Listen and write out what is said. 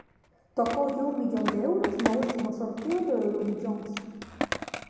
Tocoulle un millón de euros no último sorteo do Euromillóns.